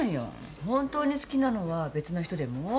本当に好きなのは別の人でも？